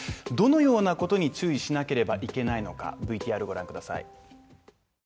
どのようなことに注意しなければいけないのかＶＴＲをご覧ください。